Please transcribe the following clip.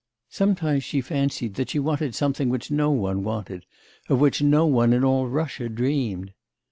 Sometimes she fancied that she wanted something which no one wanted, of which no one in all Russia dreamed.